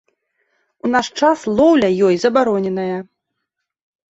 У наш час лоўля ёй забароненая.